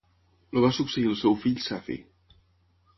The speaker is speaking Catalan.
El va succeir el seu fill Safi.